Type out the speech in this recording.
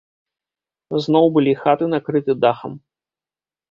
Зноў былі хаты накрыты дахам.